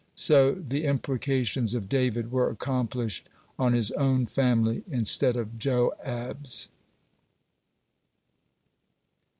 So the imprecations of David were accomplished on his own family instead of Joab's.